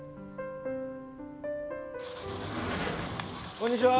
こんにちは。